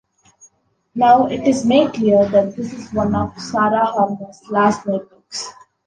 Now it is made clear that this is one of Sara Harmon's last notebooks.